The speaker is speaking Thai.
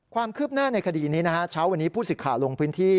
ความคืบหน้าในคดีนี้เช้าวันนี้ผู้ศิษยาลงพื้นที่